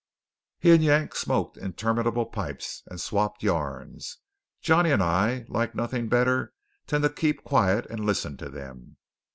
He and Yank smoked interminable pipes, and swapped yarns. Johnny and I liked nothing better than to keep quiet and listen to them.